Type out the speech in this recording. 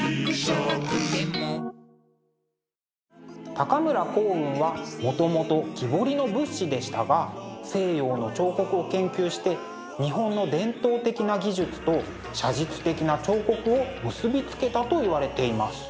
高村光雲はもともと木彫りの仏師でしたが西洋の彫刻を研究して日本の伝統的な技術と写実的な彫刻を結び付けたといわれています。